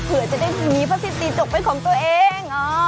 เผื่อจะได้มีผ้าสิ้นตีจกเป็นของตัวเอง